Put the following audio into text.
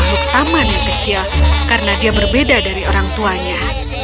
dia menemukan makhluk taman yang kecil karena dia berbeda dari orang tuanya